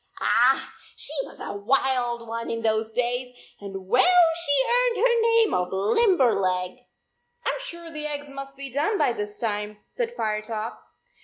Ah ! She was a wild one in those days, and well she earned her name of Limber leg!" " I m sure the eggs must be done by this time," said Firetop.